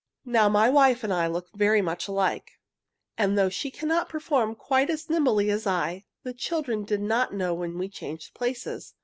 Now my wife and I look very much alike, and though she cannot perform quite as nimbly as I, the children did not know when we changed places.